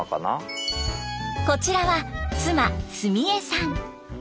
こちらは妻澄江さん。